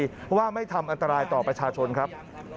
เพราะว่าไม่ทำอันตรายต่อประชาชนครับ